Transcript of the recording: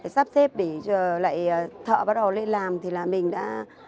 sắp xếp để lại thợ bắt đầu lên làm thì là mình đã